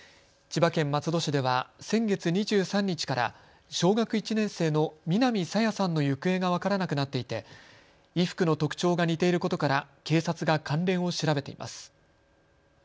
千葉県松戸市では先月２３日から小学１年生の南朝芽さんの行方が分からなくなっていて衣服の特徴が似ていることから警察が関連を調べています。